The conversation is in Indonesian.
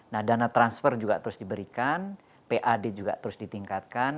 nah dana transfer juga terus diberikan pad juga terus ditingkatkan